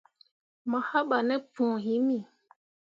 Mo haɓah ne põo himi.